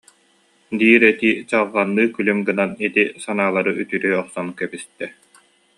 » диир этии чаҕылҕанныы күлүм гынан, ити санаалары үтүрүйэ охсон кэбистэ